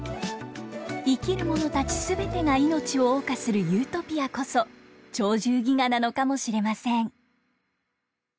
生きるものたち全てが命を謳歌するユートピアこそ「鳥獣戯画」なのかもしれません。